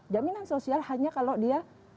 jaminan sosial hanya kalau dia